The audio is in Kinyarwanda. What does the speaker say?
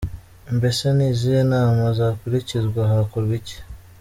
Mbese ni izihe nama zakurikizwa? Hakorwa iki?.